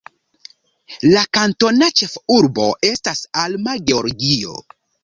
La kantona ĉefurbo estas Alma, Georgio.